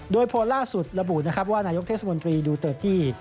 โดยโพลล่าสุดระบุว่านายกเทศมนตรีดูเตอร์ตี้